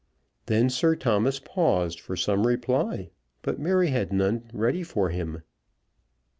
Then Sir Thomas paused for some reply, but Mary had none ready for him.